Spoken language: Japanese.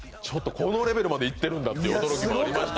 このレベルまでいってるんだという驚きもありました。